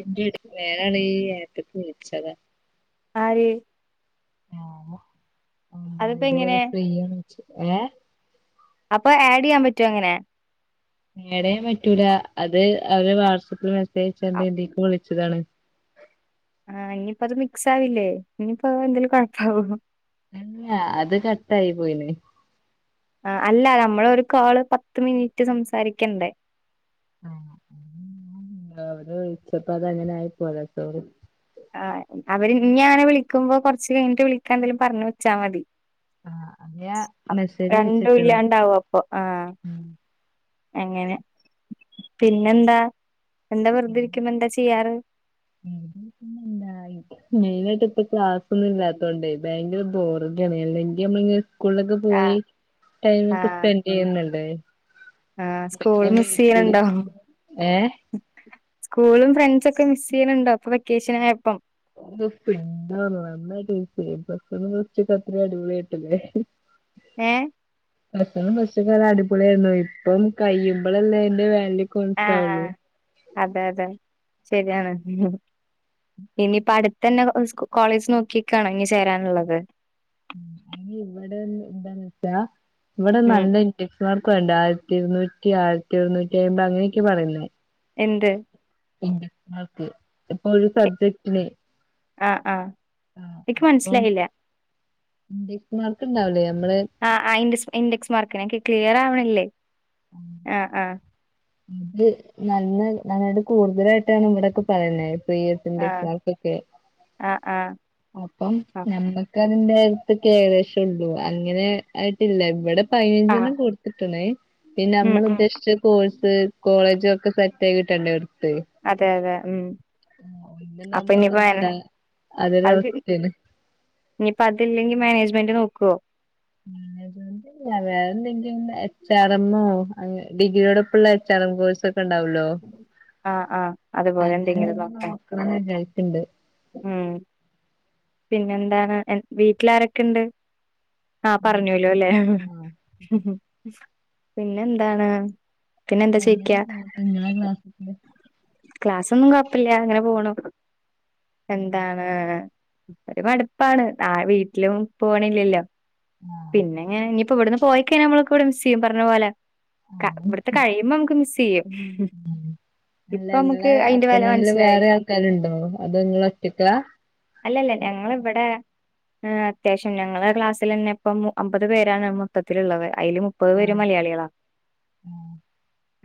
ഇതിന്റെ പേരാണ് ഈ ഏത്തെക്ക് വിളിച്ചതാ ആര് ഉം അതിപ്പോ എങ്ങനെ ഇതേപോലെ ഫ്രീന്ന് വെച്ച ഏഹ് അപ്പൊ ആഡ് ചെയ്യാൻ പറ്റൊ അങ്ങനെ നേടേൻ പറ്റൂല അത് അവര് വാട്സആപ്പിൽ മെസ്സേജ്ച്ചണ്ട് അ- ഇന്റെക്ക് വിളിച്ചതാണ്. ആഹ് ഇനിയിപ്പോ അത് മിക്സ് ആവില്ലേ ഇനിയിപ്പ എന്തേങ്കിലും കുഴപ്പകോ ആഹ് അത് കട്ട ആയി പോയിന് ആ അല്ല നമ്മള ഒരു കോള് പത്ത് മിനിറ്റ് സംസാരിക്കണ്ടേ ആിച്ചപ്പോ അതങ്ങനെ ആയിപ്പോല സോറി ആഹ് അവര് നീ അങ്ങനെ വിളിക്കുമ്പോ കുറച്ച് കഴിഞ്ഞിട്ട് വിളിക്കാ എന്തേലും പറഞ്ഞഞ് വെച്ചാൽ മതി ആഹ് ഞാ മെസ്സേജ് രണ്ടും അയച്ചിട്ട്ണ് ഇല്ലാണ്ടാവും പ്പം ആഹ് ഉം അങ്ങനെ പിന്നെന്താ എന്താ വെറുതെ ഇരിക്കുമ എന്താ ചെയ്യാറ് [unintelligible] മെയിനായിട്ട് ഇപ്പ ക്ലാസ്ൊന്നും ഇല്ലാത്തോണ്ടേ ഭയങ്കര ബോറിാണ് അല്ലെങ്കി നമ്മള സ്കൂളിലൊക്കെ ആ പോയി ടൈമ ഒക്കെ സ്പെൻഡ് ചെയ്യുന്നുണ്ട് ആഹ് സ്കൂൾ പിന്നെ മിസ് വീട്ടില് ചെയ്യണണ്ടോ? ഏഹ് സ്കൂളും ഫ്രണ്ട്സ ഒക്കെ മിസ് ചെയ്യണണ്ടോ അപ്പൊ വെക്കേഷനായപ്പം ഒരു ദ എന്താ നന്നായിട്ട്ന്ന്ച്ചക്ക അത്രയും അടിപൊളിായിട്ടില്ലേ ഏയ് ഭസണം പച്ചക്കാല അടിപൊളിയായിരുന്നു ഇപ്പം കഴിയുമ്പോളല്ലേ എന്റെ വാല്യൂ ഒക്കെ ആഹ് മനസ്സിലാവുള്ളൂ ആഹ് അതെ അതെ ശരിയാണ് ഇനിയിപ്പ അടുത്ത തന്നെ കോളേജ് നോക്കിക്കാണോ ഇങ്ങ് ചേരാനുള്ളത് അ ഇവിടെ എന്താന്ന് വെച്ചാ ഇവിടെ ഉം നല്ല എക്സ് മാർക്ക വണ്ട ആയിരത്തി ഇരുന്നൂറ്റി ആയിരത്തി എരുുന്നൂറ്റി അമ്പത് അങ്ങനെയൊക്കെ പറയുന്നേ എന്ത്? ഇൻഡക്സ്മാർക്ക് ഇപ്പൊ ഒരു സബ്ജക്റ്റിന് ആഹ് ആഹ് ആഹ് ഇക്ക് അപ്പം മനസ്സിലായില്ല ഇൻഡെക്സ് മാർക്ക് ഉണ്ടാവില്ലേ നമ്മള് ആഹ് ആഹ് ഇൻഡക്സ് ഇൻഡക്സ് മാർക്കിന് ഞാൻ ഇൻക്ക് ക്ലിയറാവണില്ലേ ആഹ് ആഹ് അത് നല്ല നന്നായിട്ട് കൂടുതലായിട്ടാണ് ഇവിടെക്കെ പറയുന്നെ ഇപ്പൊ ഈ ഇൻഡക്സ് മാർക്കൊക്കെ ആഹ് ആഹ് അപ്പം ആഹ് നമ്മക്കതിന്റെ അടുത്ത് ഏകദേശൊള്ളൂ അങ്ങനെ ആയിട്ടില്ല ഇവിടെ ആഹ് പതിനഞ്ചെണ്ണം കൊടുത്ത്ട്ട്ണ് പിന്നെ ഉം ഉം നമ്മളുദ്ദേശിച്ച കോഴ്സ്, കോളേജും ഒക്കെ സെറ്റായി കിട്ടണ്ടെ എട്ത്ത് അതെ അതെ ഉം ആഹ് ഒന്ന് അപ്പൊ ഇണ്ടാവുമ്പോ ഒന്ന് ഇനിയിപ്പോ മാനേ ഇണ്ടാവൂല്ല അതൊരു അവസ്ഥേണ് ഇഞ്ഞ്പ്പൊ അതില്ലെങ്കി മാനേജ്മെന്റ് നോക്കുവോ? മാനേജ്മെന്റ് ഇല്ല്യല്യ വേറെ എന്തെങ്കിലും എച്ച്. ആർ. എംമ്മോ അങ്ങനെ ഡിഗ്രിയോടൊപ്പെള്ള എച്ച്. ആർ. എം. കോഴ്സക്കെ ഇണ്ടാവൊല്ലോ ആഹ് ആഹ് അതുപോലെ അങ്ങനെ എന്തെങ്കിലും എന്തേലും നോക്കാൻ നോക്കണം വിചാരിക്ക്ണ്ട് ഉം പിന്നെന്താണ് എഹ് വീട്ടിലാരക്കെണ്ട്? ആഹ് പറഞ്ഞൂലോ അല്ലേ? പിന്നെന്താണ്? പിന്നെന്താ എങ്ങനെ ചോയിക്കാ പോവുന്നു ഇങ്ങളെ ക്ലാസൊക്കെ? ക്ലാസൊന്നും കൊഴപ്പില്ല ഇങ്ങനെ പോവുണു എന്താണ് ഇപ്പ ഒരു മടുപ്പാണ് ആഹ് വീട്ടിലും പോണില്ലല്ലോ? ആഹ് പിന്നെ ഇങ്ങനെ ഇഞ്ഞിപ്പോ ഇവിടുന്ന് പോയി കഴിഞ്ഞ നമ്മളൊക്കെ ഇവിടെ മിസ്സെയ്യും പറഞ്ഞ പോലെ ക ആഹ് ഇവട്ത്തെ കഴിയുമ്പോ നമുക്ക് മിസ് ചെയ്യും അല്ല ഇപ്പൊ നമുക്ക് ഇങ്ങളെ അയിന്റെ വെല അപ്പാർട്ട്മെന്റില് മനസ്സിലായി വേറേം ആൾക്കാര്ണ്ടോ? അതോ ഇങ്ങളൊറ്റക്ക? അല്ലല്ല ഞങ്ങള് ഇവടെ ഏഹ് അത്യാവിശ്യം ഞങ്ങളെ ക്ലാസ്സിലന്നെ ഇപ്പം അമ്പത് പേരാണ് മൊത്തത്തിലുള്ളത് അയില് മുപ്പത് ആഹ് പേരും മലയാളികളാ ആഹ്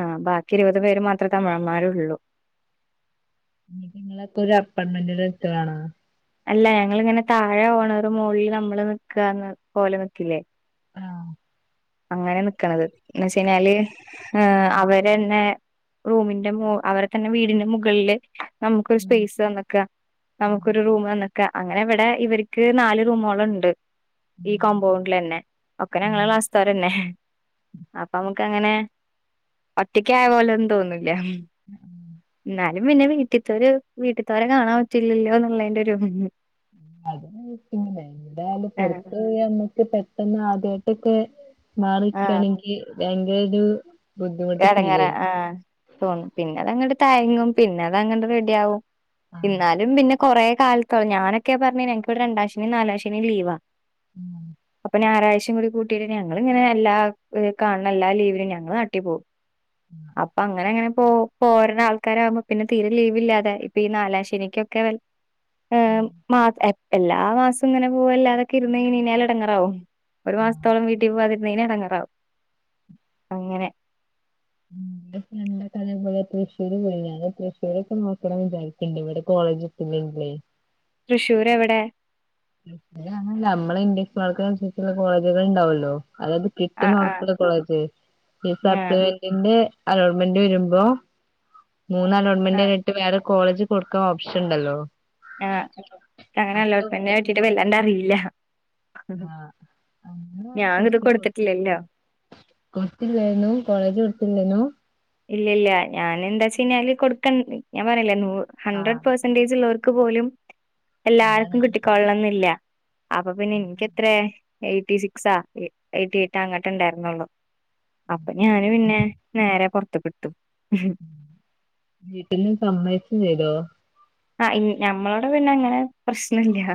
ആഹ് ബാക്കി ഇരുപത് പേര് മാത്രെ തമിഴന്മാരൊള്ളൂ എന്നിട്ട് ഇങ്ങളൊക്കെ ഒരു അപ്പാർട്ട്മെന്റില് ഇട്ത്തതാണോ? അല്ല ഞങ്ങളിങ്ങനെ താഴെ ഓണറും മൊളില് നമ്മളും നിക്കാണ് പോലെ നിക്കില്ലേ? ആഹ് അങ്ങനെ നിക്ക്ണത് എന്ന് വെച്ച് കഴിഞ്ഞാല് ഏഹ് ആഹ് അവ രന്നെ റൂമിന്റെ മോ അവരെ തന്നെ വീടിന്റെ മുകളില് നമുക്കൊരു ഉം സ്പേയ്സ് തന്നക്കാ ഉം നമുക്കൊരു റൂമ് തന്നക്ക അങ്ങനെ ഇവിടെ ഇവർക്ക് നാല് റൂമോള്ണ്ട് ഈ കോമ്പൗണ്ടിലന്നെ ഒക്കെ ഉം ഞങ്ങളെ ആഹ് ക്ലാസ്സ്ത്തോരന്നെ അപ്പൊ അമ്മക്ക് അങ്ങനെ ഒറ്റക്കായ പോലെയൊന്നും തോന്നില്ല ഉം ഇന്നാലും പിന്നെ വീട്ടിത്തോര് വീട്ടിത്തോരെ കാണാൻ പറ്റില്ലല്ലോ എന്നുള്ളേന്റെ ഒരു ഇതൊ അതൊരു മിസ്സിംഗ് തന്നെ എവിടായാലും ആഹ് പൊറത്ത് പോയാ നമ്മക്ക് പെട്ടന്ന് ആദ്യായിട്ടൊക്കെ മാറി ആഹ് നിക്കാണെങ്കി ഭയങ്കര ഒരു ബുദ്ധിമുട്ട് ഫീൽ എടങ്ങേറാ ചെയ്യും ആഹ് തോന്നും പിന്നെ അത് അങ്ങട് തഴങ്ങും പിന്നെ അത് അങ്ങനെ റെഡിയാവും ആഹ് എന്നാലും പിന്നെ കൊറേ കാല ക്കെ ഞാനൊക്കെ പറഞ്ഞയിഞ്ഞ എനിക്ക്‌വിടെ രണ്ടാം ശനീം നാലാം ശനീം ലീവാ ഉം അപ്പൊ ഞായറാഴ്ചയും കൂടി കൂ ട്ടിയിട്ട് ഞങ്ങള് ഇങ്ങനെ എല്ലാ കാണുന്ന എല്ലാ ലീവിലും ഞങ്ങള് നാട്ടി പോവും ആഹ് അപ്പൊ അങ്ങനെ അങ്ങനെ പോ ഇപ്പ അങ്ങനെ അങ്ങനെ പൊ പ്പോഓര്ട ആൾക്കാരാവുമ്പോ പിന്നെ തീരെ ലീവില്ലാതെആട്ടി ഇപ്പൊ ഈ നാലാം ശനിക്കൊക്കെ വ ഉം ഏഹ് മാസ എ എല്ലാ മാസവും ഇങ്ങനെ പോകല്ലാതൊക്കെ ഇരുന്ന് കഴിഞ്ഞു കഴിഞ്ഞാൽ എടങ്ങേറ് ആവും ഒരു ആഹ് മാസത്തോളം വീട്ടി പോവാതിരുന്ന് കഴിഞ്ഞാ എടങ്ങേറാവും അങ്ങനെ മം ഇന്റെ ഫ്രണ്ട്ഒകെ അതേപോലെ തൃശ്ശൂര് പോയി ഞാന് തൃശ്ശൂരൊക്കെ നോക്കണന്ന് വിചാരിക്കണ്ട് ഇവിടെ കോളേജ് പിന്നെന്തേ തൃശൂർ എവടെ അത് അങ്ങനെ അല്ല നമ്മളെ ഇന്ടെസ് മാർക്കൻ ആനുസരിച്ചുള്ള കോളേജുകൾ ഇണ്ടാവുമല്ലോ അതായത് ആഹ് കിട്ട്ന്നടുന്ന് ആഹ് ഒറപ്ള്ള കോളേജ് ഈ ആഹ് സപ്ലിമെൻ ന്റെ ന്റെ അലോട്ട്മെന്റ് വരുമ്പോ മൂന്ന് അലോട്ട്മെന്റെ ആഹ് കഴിഞ്ഞിട്ട് വേറെ കോളേജ് കൊടുക്കാൻ ഓപ്ഷൻ ഇണ്ടല്ലോ ആഹ് അങ്ങനെ അലോട്ട്മെന്റിനെ പറ്റീട്ട് കൊടു വല്ലാണ്ട് അറിയൂല ആഹ് അങ്ങനെ ഞാനിത് കൊടുത്തിട്ടില്ലല്ലോ കൊടുത്തില്ലായിരുന്നു കോളേജ് കൊടുത്തില്ലായിരുന്നു ഇല്ല ഇല്ല ഞാന് എന്താ വെച്ച് കഴിഞ്ഞാല് കൊടുക്കൻ ഞാൻ പറഞ്ഞിലെ നൂ ഹൻഡ്രഡ് ആഹ് പേഴ്സ് സന്റെജ് ള്ളവർക്ക് പോലും അതാണ് എല്ലാർക്കും കിട്ടിക്കൊളണന്നില്ല അപ്പൊ പിന്നെ എനിക്ക്‌ എത്രെയാ എയ്റ്റി സിക്സാ എയ്റ്റി എയ്റ്റ അങ്ങട്ടെ ഇണ്ടായിരുന്നൊള്ളു അപ്പൊ ഞാന് പിന്നെ നേരെ പൊറത്ത്ക്ക് ഇട്ത്തു വീട്ടിന്ന് സമ്മതിക്കൊം ചെയ്തോ ആഹ് ഇ ഞമ്മളവിടെ പിന്നെ അങ്ങനെ പ്രശ്നല്ല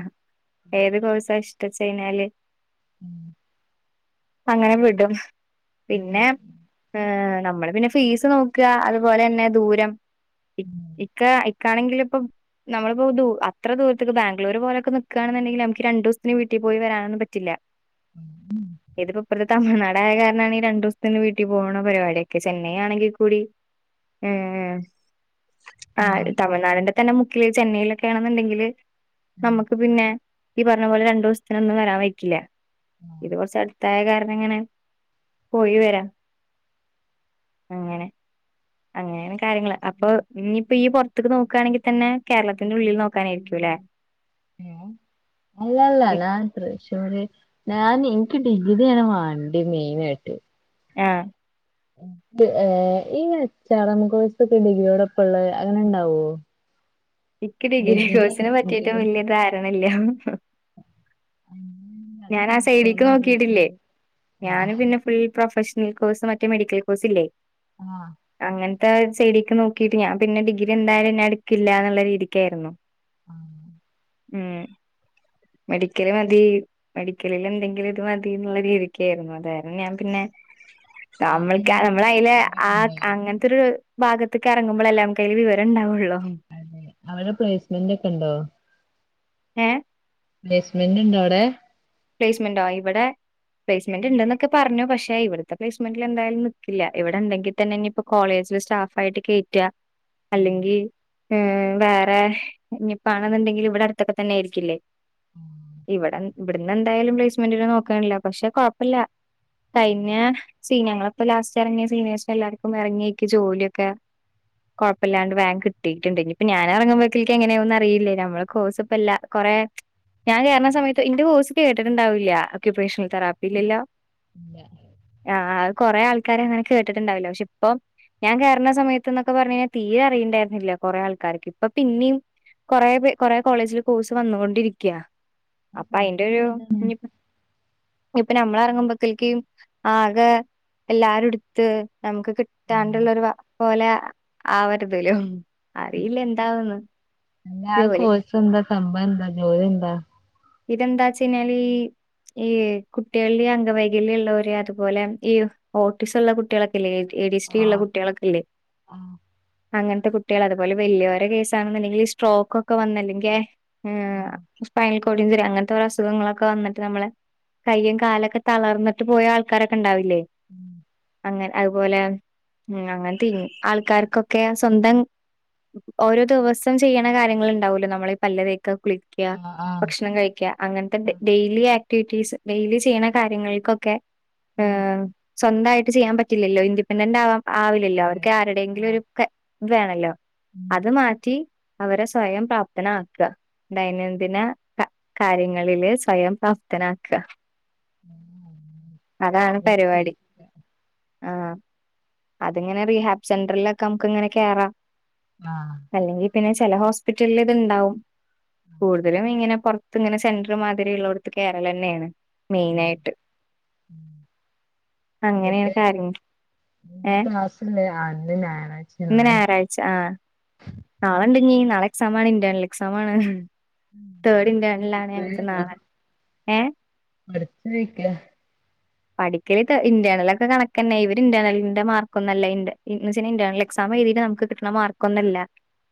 ഏത് കോഴ്സാ ഇഷ്ടച്ച് കഴിഞ്ഞാല് ഉം അങ്ങനെ വിടും ഉം പിന്നെ ഏഹ് നമ്മള് പിന്നെ ഫീസ് നോക്കുക അതുപോലെ തന്നെ ദൂരം ഇക്ക ഇക്കാണെങ്കില് ഇപ്പം നമ്മളിപ്പോ ദൂ അത്ര ദൂരത്തേക്ക് ബാംഗ്ലൂർ പോലക്കെ നിക്കാണെന്നുണ്ടെങ്കില് നമ്മക്ക് രണ്ട് ദിവസത്തിന് വീട്ടിൽ പോയി വരാനൊന്നും പറ്റില്ല [unintelligible] തമിഴ്നാടായ കാരണാണ് ഈ രണ്ട് ദിവസത്തിന് വീട്ടി പോണ പരിപാടിയൊക്കെ ചെന്നൈ ആണെങ്കി കൂടി ഏഹ് ആഹ് ട തമിഴ്നാടിന്റെ തന്നെ മുക്കില് ചെന്നൈയിലൊക്കെ ആണെന്നുണ്ടെങ്കില് നമുക്ക് പിന്നെ ഈ പറഞ്ഞ പോലെ രണ്ടു ദിവസത്തിനൊന്നും വരാൻ പറ്റില്ല ഉം ഇത് കൊറച്ച് അടുത്തായ കാരണം ഇങ്ങനെ പോയി വരാം അങ്ങനെ അങ്ങനേണ് കാര്യങ്ങള് അപ്പൊ ഇനിയിപ്പോ ഈ പൊറത്ത്ക്ക് നോക്കാണെങ്കി തന്നെ കേരളത്തിന്റെ ഉള്ളിൽ നോക്കാനായിരിക്കും അല്ലേ ഹലോ അല്ലല്ല ഞാൻ തൃശൂറ് ഞാൻ എനിക്ക് ഡിഗ്രിയാണ് വാണ്ടിയമെയിനായിട്ട് ആഹ് ഏഹ് ഈ എച് ആർ എം കോഴ്സ് ഒക്കെ ഡിഗ്രിയോടൊപ്പം ഇള്ളത് അങ്ങനെ ഉണ്ടാവോ [inaudible] എനിക്ക് ഡിഗ്രി കോഴ്സിനെ പറ്റിട്ടും വല്യയ ധാരണയില്ല അങ്ങനെ അത് ഞാൻ ആ സൈഡിക്ക് നോക്കിയാലോ നോക്കിയിട്ടില്ലേ വിചാരിക്ക്ണ്ട് ഞൻ ആഹ് പിന്നെ ഫുൾ പ്രൊഫഷ ൽ കോഴ്സ് മറ്റ മെഡിക്കൽ കോഴ്സ് ഇല്ലേ. ആഹ് അങ്ങനത്തെ സൈഡിക്ക് നോക്കിട്ട് ഞാൻ പിന്നെ ഡിഗ്രി എന്തായാലും ഞാൻ എടുക്കില്ല എന്നുള്ള രീതിക്കായിരുന്നു ആഹ് ഉം മെഡിക്കല് മതി മെഡിക്കലിൽ എന്തെങ്കിലും ഇത് മതി എന്നുള്ള രീതിക്ക ആയിരുന്നു അതായരുന്നു ഞാൻ പിന്നെ. അവിടെ നമ്മൾക്ക് എങ്ങനെ നമ്മള അതില പ്ലേസ്മെന്റ് ഒക്കെ ആ ഉണ്ടോ അങ്ങന ത്തൊരു ഭാഗത്ക് ഇറങ്ങുമ്പോൾ അല്ലെ നമ്മൾക് അയ്യിൽഒരു വിവരം ഉണ്ടാവുള്ളൂ. അവവിടെ പ്ലേയ്സ്മെന്റ് ഒക്കെ ഇണ്ടോ? ഏ പ്ലേയ്സ്മെന്റ് ഇണ്ടോ ഔടെ? പ്ലേയ്സ്മെന്റോ ഇവെടെ ആ, പ്ലേസ്ന്റ് ഇണ്ടന്നു ക്കെ പറഞ്ഞു. പക്ഷെ ഇവിടുത്തെ പ്ലെസ്മെന്റിൽ എന്തായാലും നിക്കില്ല. ഇവിടെ ഇന്തെങ്കി തന്നെ ഇനിപ്പം കോളേജ സ്റ്റാഫായിട്ട് കേറ്റാ അല്ലെങ്കി. ഉം. വേറെ ഇനിപ്പണെന്ന്ണ്ടെങ്കില് ഇവിടെ അടുത്തൊക്കെ തന്നെ ആയിരിക്കില്ലെ. ഇവെടെ ഇവിട്ന്ന് എന്തായാലും പ്ലേസ്മെന്റ് ഇ നോക്കാണില്ല. പക്ഷെ കൊഴപ്പില്ല. കഴിഞ്. സീനിയെങ്ങളിപ്പോ ലാസ്റ്റ് എറങ്ങിയ സീനിയേഴ് എല്ലാർക്കും എറങ്ങ്യേക്കും ജോലിയൊക്കെ കുഴപ്പല്ലാണ്ട് ബാങ് കിട്ടീട്ടുണ്ട്. ഇനിയിപ്പ ഞാൻ എറങ്ങുമ്പക്കിൽ ക്കെങ്ങനെ ഒന്ന് അറിയി. ല്ല നമ്മള് കോഴസ് ഇപ്പല്ല. കൊറേ ഞാൻ കേറ്ണ സമയത്ത് ഇന്റെ പോ. കേട്ടിട് ഇണ്ടാവില്യ അകിപോഴ്സ്നൽ തെറാപ്പി ഇല്ലല്ലോ ഇല്ല ആഹ്. കൊറേ ആൾക്കാര്. അങ്ങനെ കേട്ടിട്ടുണ്ടാവില്ല. പക്ഷെ ഇപ്പം. ഞാൻ കേറ്ണ സമയത്ത്ന്നൊക്കെ പറഞ്ഞു കഴിഞ്ഞൽ തീരെ അറിയിണ്ടായിരുന്നില്ല. കൊറെ ആൾക്കാർക്ക് ഇപ്പം പിന്നിം. കൊറേ കൊറേ കോളേജില് കോഴ്സ് വന്ന് കൊണ്ടിരിക്ക്യ. അത് അപ്പൊ അയിന്റെ സംഭവം ഒരു. [inaudible] ഇഞ്പ്പ ഞമ്മളറങ്ങുമ്പത്തേക്കും ആകെ. എല്ലാരും ഇടുത്ത് നമുക്ക് ആ. കിട്ടാണ്ടുള്ളരു പോലെ ആവരുതലൊ. അറിയില്ല എന്താവുന്നു. അല്ല ആ കോഴ്സന്താ സംഭവന്താ ജോല്യന്താ ഇതെന്താച്ചയ്ഞാല്. ഈ കുട്ടികള്ലെ അംഗവൈകല്യം ഉള്ളവര് അതുപോലെ ഈ ഓട്ടീസ് ഉള്ള കുട്ട്യേളൊക്കെല്ലെ. എ ഡി സി ഉള്ള ആഹ് കുട്ട്യേളൊക്കെല്ലെ ആഹ് അങ്ങൻത്തെ കുട്. കുട്ട്യേള്. അതുപോലെ വല്യാേരെ കേസാണ്ന്ന ണ്ടെങ്കിൽ ഈ സ്ട്രോക്ക് ഒക്കെ വന്നെല്ലെങ്കിൽ ആഹ് [unintelligible] ൽ കൊടിന്തുര അങ്ങൻത്തെ ഒരസുഖങ്ങളൊക്കെ വന്നിട്ട് നമ്മളെ കയ്യും കാലൊക്കെ തളർന്നിട്ട് പോയ ആൾക്കാരൊക്കെ ഇണ്ടാവില്ലേ. ഉം. അങ്ങെ അതുപോലെ ഉം അങ്ങൻത്തിൻ [unintelligible] ആൾക്കാർക്കൊക്കെ സ്വന്തം. ഓരോ ദെവസം ചെയ്യ്ണ കാര്യങ്ങള് ഇണ്ടാവല്ലൊ. നമ്മള് ഈ പല്ല്തേക്ക കുളിക്ക്യ. ആഹ് ആഹ്. ഭക്ഷണം കഴിക്ക്യ. അങ്ങൻത്തെ ഇണ്ട്. ആഹ് ഡെയിലി ആക്ടിവിറ്റീസ് ഡെയിലി ചെയ്യ്ണ കാര്യങ്ങൾക്കൊക്കെ ഉം ഏഹ്. സ്വന്തായിട്ട് ചെയ്യാൻ പറ്റില്ലല്ലോ ഇൻഡിപെൻഡന്റ് ആവാം. ആവില്ലല്ലോ. അതെ അവർക്ക് ആരുടെങ്കിലും ആഹ് ഒരു ഇ വേണല്ലോ ഉം അത് മാറ്റി. അവരെ സ്വയം പ്രാപ്തനാക്ക. ദൈനംദിന ക കാര്യങ്ങളില് സ്വയം പ്രാപ്തനാക്ക. അതാണ് ഇവൽക്കെ പരിപാടി. ആഹ്. അതിങ്ങനെ റീഹാബ് സെന്ററിലൊക്കെ നമുക്ക് ഇങ്ങനെ കേറ. ആഹ്. അല്ലെങ്കി പിന്നെ ചെല ഹോസ്പിറ്റലില് ഇത് ഇണ്ടാവും. കൂടുതലും ഇങ്ങനെ ഇങ്ങനെ സെൻടൽ മാതിരി ഉള്ള ഇടത്ത് കേറലന്നേണ്. മെയിൻ ആയിട്ട്. അങ്ങനേണ് കാര്യം. ഏഹ്. ഇന്ന് ക്ലാസ്സ്ല്ലെ. ആ ഇന്ന് ഞായാഴ്ച്ചേണ്. ഇന്ന് ഞായറാഴ്ച ആ. നാളെ ഇണ്ട് ഇഞ്ഞി. നാളെ എക്സാം ആണ്. ഇന്റെേണൽ എക്സാമാണ്. തേർഡ് ഉം ഇന്റേണലാണ് കുപ്പേ ഞങ്ങക്ക് നാളെ [unintelligible] ഏ പഠിച്ചില്ലേ പഠിക്കല് ഇന്റർണൽൊക്കെ കണക്ക തന്നെ ഇവ ഇറർലിന്റെ മാർൊന്നുംല്ലണ്ട് എന്ന് വെച്ച ഇന്റർണൽ എക്സാം എഴതി് നമു നല്ല മാർക്കൊന്നുംല്ല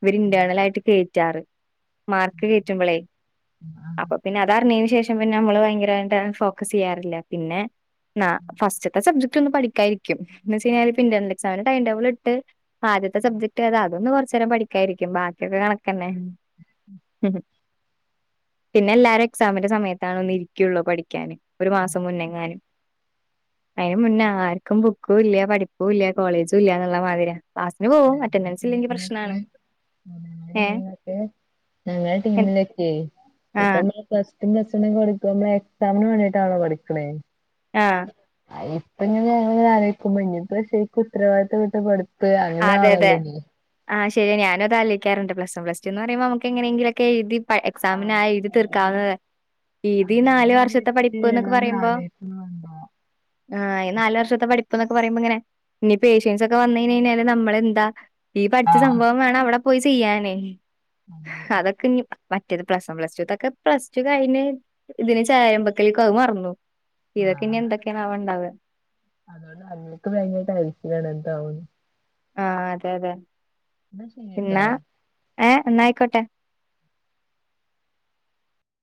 ഇവര് ഇന്റേർണൽ ആയിട്ട് കേറ്റാറ് മാർക്ക് കറ്റുമ്പളേ ആഹ് അപ്പൊ പിന്നെ അത അറിഞ്ഞതിന് ശേഷം പിന്നെ നമ്മള് ഭയങ്കരമായിട്ട് ഫോക്കസ് ചെയ്യാറില്ല പിന്നെ ആ ഫസ്റ്റ്ത്തെ സബ്ജെക്ട് ഒന്ന് പഠിക്കാരിക്കും എന്ന് എക്സാം കഴിഞ്ഞാ ഇ ഇന്റർണൽ എക്സമിന്റെടംടേബിൾ ഇട്ട് ആദ്യത്തെ സബ്ജക്ട് അതൊന്ന് കുറു നേരം പഠിക്കായിരിക്കും ബാക്കിക്കെ കണക്കാ തന്നെ പിന്നെ എല്ലാരും എക്സാമിന്റെ സമയത്തണ ഒന്ന ഇരിക്കുള്ളൂ പഠിക്കാന് ഒരു മാസം അതാണ് മുന്നേങ്ങാനും അതിന് മുന്നേ ആർക്കും ബുക്കും ഇല്ല പഠിപ്പും ഇല്ല കോളേജുംല്ലന്നുള്ള മാതിരിയാ ക്ലാസ്സിന് പോവും ഞങ്ങടെ അറ്റൻഡൻസ് ഇല്ലെങ്കി ടീമിലൊക്കെ പ്രശ്നാണ് ഏഹ ഞങ്ങള ടീമിലൊക്കെയ ആഹ് ഇപ്പ പ്ലസ് സ്റ്റും പ്ലസ് പഠിക്കുമ്പോ നമ്മള് എക്സാമിന് വെണ്ടീട്ടാണോ പഠിക്കണേ ആഹ് ഇപ്പ ഇ ഞങ്ങ നിങ്ങളിങ്ങനെ ആലോചിക്കുമ്പോ [unintelligible] ഉത്തരവാദിത്തം [unintelligible] അതെ അതെ അങ്ങനെയാണല്ലോ ഇനി ആഹ ശരി ഞാനും അതാലോചിക്കാറുണ്ട് പ്ലസ് വൺ പ്ലസ് ടു എന്ന് പറയുമ്പോ നമുക്ക് എങ്ങനെയെങ്കിലൊക്കെ എഴുതി എക്സാമിന് ആ ഇത് തീർക്കാവുന്നത് ആ ഇത് ഈ പിന്നെ നാല് അതിനെ വർഷത്തെ വറ്റി പഠിപ്പ് എന്നൊക്കെ വല്ലൻ പറയുമ്പോ ആഗഹിക്കുന്നുണ്ടോ ആഹ് ഈ നല് വർഷത്തെ പഠിപ്പന്നൊക്കെ പറയ്പോ ഇങ്ങന ഇ പേഷ്യൻഓക്കേ വന്ന കഴിഞ്ഞാല് നമ്മളെന്താ ഈ പഠിച്ച ആഹ് സംഭവം വേണം അവിടെ പോയി ചെയ്യാനേ അതെ അതൊക്കെ ഇഞ്ഞി മറ്റേത് പ്ലസ് വൺ പ്ലസ് ടു ഇതൊക്കെ പ്ലസ് ടു കഴിഞ് ഇതിന് ചാരമ്പൊക്കലേക്ക അത് മറന്നു ഇതൊക്കെ ഇനി എന്തൊക്കെയാണ ണ്ടാവ അതൊണ്ട് അങ്ങേർക്ക് ഭയങ്കര ടെൻഷൻ ആണ് എന്താവുന്ന് ആഹ് അതെ അതെ എന്നാ ശരിട്ടോ എന്നാ ഏഹ് എന്നയിക്കോട്ടെ